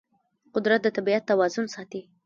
قدرت د طبیعت توازن ساتي.